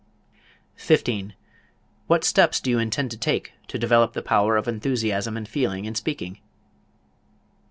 15. What steps do you intend to take to develop the power of enthusiasm and feeling in speaking?